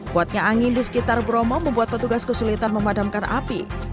kuatnya angin di sekitar bromo membuat petugas kesulitan memadamkan api